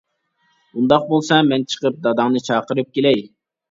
-ئۇنداق بولسا مەن چىقىپ داداڭنى چاقىرىپ كېلەي.